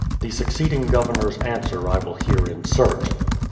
The succeeding Governor's answer I will here insert.